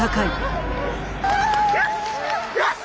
よし！